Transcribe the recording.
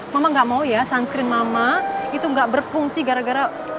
mama gak mau ya sunscreen mama itu nggak berfungsi gara gara